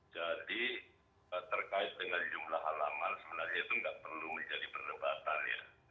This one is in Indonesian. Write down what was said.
jadi terkait dengan jumlah halaman sebenarnya itu enggak perlu menjadi perdebatan ya